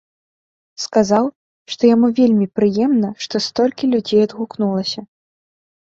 Сказаў, што яму вельмі прыемна, што столькі людзей адгукнулася.